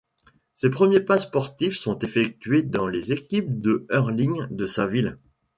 Ses premiers pas sportifs sont effectués dans les équipes de hurling de sa ville.